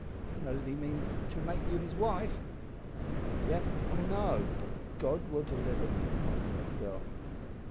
You know that means he intends to make you his wife." "Yes, I know; but God will deliver me," answered the girl.